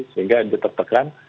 sehingga dia tertekan